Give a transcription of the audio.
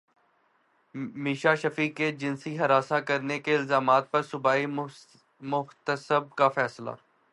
میشا شفیع کے جنسی ہراساں کرنے کے الزامات پر صوبائی محتسب کا فیصلہ